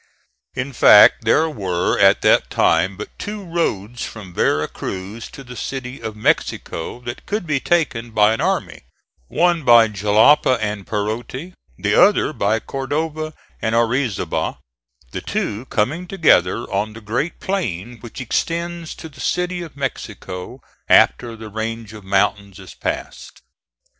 In fact, there were at that time but two roads from Vera Cruz to the City of Mexico that could be taken by an army; one by Jalapa and Perote, the other by Cordova and Orizaba, the two coming together on the great plain which extends to the City of Mexico after the range of mountains is passed.